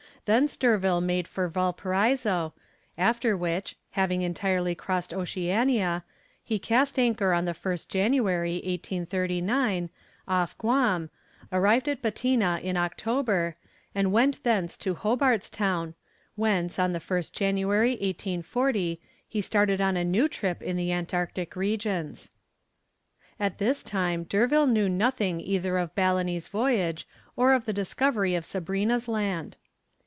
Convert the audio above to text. Thence D'Urville made for Valparaiso, after which, having entirely crossed Oceania, he cast anchor on the 1st January, 1839, off Guam, arrived at Batina in October, and went thence to Hobart's Town, whence, on the 1st January, 1840, he started on a new trip in the Antarctic regions. At this time D'Urville knew nothing either of Balleny's voyage, or of the discovery of Sabrina's Land.